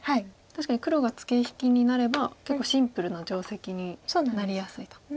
確かに黒がツケ引きになれば結構シンプルな定石になりやすいと。